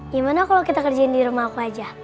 gimana kalau kita kerjain di rumah aku aja